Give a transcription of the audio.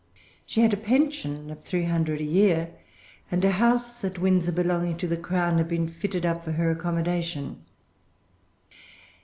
She had a pension of three hundred a year; and a house at Windsor, belonging to the Crown, had been fitted up for her accommodation.